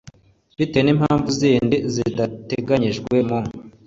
bitewe n impamvu zindi zidateganijwe mu